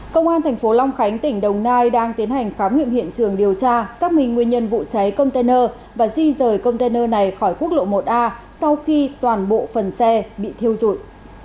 công an thành phố long khánh tỉnh đồng nai đang tiến hành khám nghiệm hiện trường điều tra xác minh nguyên nhân vụ cháy container và di rời container này khỏi quốc lộ một a sau khi toàn bộ phần xe bị thiêu dụi